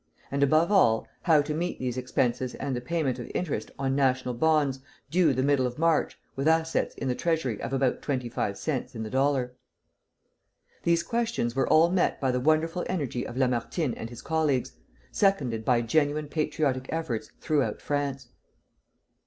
And, above all, how to meet these expenses and the payment of interest on national bonds, due the middle of March, with assets in the treasury of about twenty five cents in the dollar. These questions were all met by the wonderful energy of Lamartine and his colleagues, seconded by genuine patriotic efforts throughout France.